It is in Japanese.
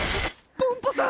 ポンポさん！